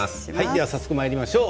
早速、まいりましょう。